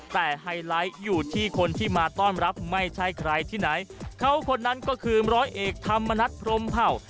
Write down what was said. แต่ไฮไลท์อยู่ที่คนที่มาต้อนรับไม่ใช่ใครที่ไหนเขาคนนั้นก็คือร้อยเอกธรรมนัฐพรมเผ่า